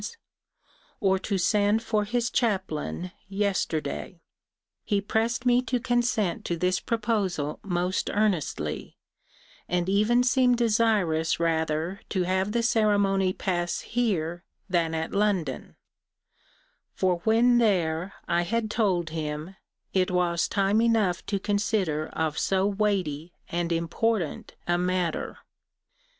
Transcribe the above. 's, or to send for his chaplain, yesterday. He pressed me to consent to this proposal most earnestly, and even seemed desirous rather to have the ceremony pass here than at London: for when there, I had told him, it was time enough to consider of so weighty and important a matter.